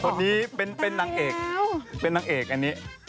คนนี้เป็นนางเอกเป็นนางเอกอันนี้